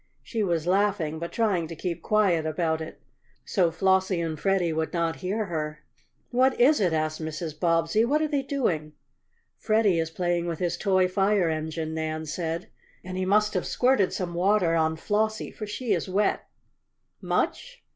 She was laughing, but trying to keep quiet about it, so Flossie and Freddie would not hear her. "What is it?" asked Mrs. Bobbsey. "What are they doing?" "Freddie is playing with his toy fire engine," Nan said. "And he must have squirted some water on Flossie, for she is wet." "Much?"